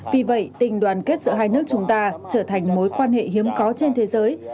vì vậy tình đoàn kết giữa hai nước chúng ta trở thành mối quan hệ hiếm có trên thế giới